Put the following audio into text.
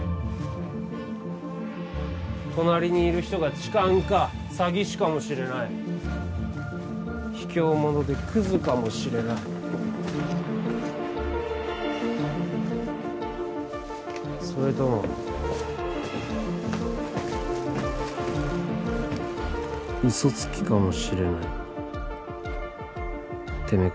隣にいる人が痴漢か詐欺師かもしれない卑怯者でクズかもしれないそれとも嘘つきかもしれないてめえ